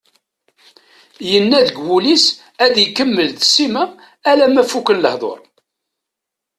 Yenna deg wul-is ad ikemmel d Sima alamma fuken lehdur.